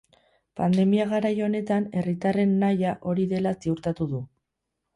Pandemia garai honetan herritarren nahia hori dela ziurtatu du.